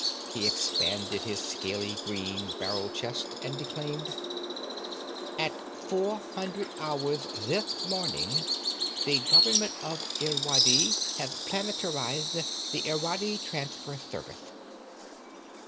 He expanded his scaly green barrel chest and declaimed: "At 0400 hours thith morning, the government of Irwadi hath planetarithed the Irwadi Tranthfer Thervith."